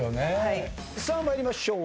さあ参りましょう。